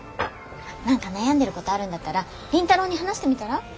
何か悩んでることあるんだったら凛太朗に話してみたら？